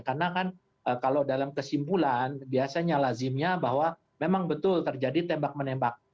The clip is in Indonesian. karena kan kalau dalam kesimpulan biasanya lazimnya bahwa memang betul terjadi tembak menembak